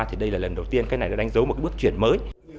thì đây là lần đầu tiên cái này đã đánh dấu một cái bước chuyển mới